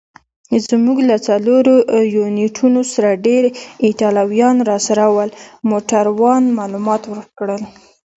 زموږ له څلورو یونیټونو سره ډېر ایټالویان راسره ول. موټروان معلومات ورکړل.